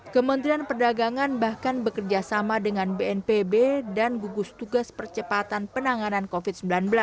kementerian perdagangan bahkan bekerjasama dengan bnpb dan gugus tugas percepatan penanganan covid sembilan belas